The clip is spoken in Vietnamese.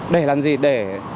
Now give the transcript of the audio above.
để làm gì để